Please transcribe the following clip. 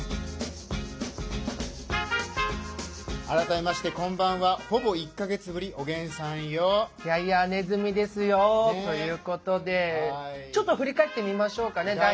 改めましてこんばんはほぼ１か月ぶりおげんさんよ。いやいやねずみですよ。ということでちょっと振り返ってみましょうかね